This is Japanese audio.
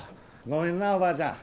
ごめんなおばあちゃん